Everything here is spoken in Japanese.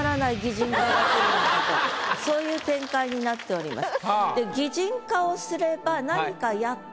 そういう展開になっております。